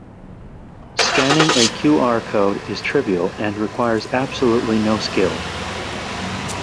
Scanning a QR code is trivial and requires absolutely no skill.